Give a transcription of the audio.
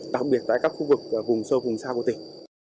đặc biệt tại các khu vực vùng sâu vùng xa của tỉnh